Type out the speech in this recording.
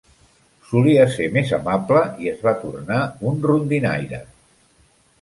Solia ser més amable i es va tornar un rondinaire.